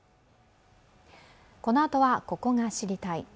このあとは「ここが知りたい！」。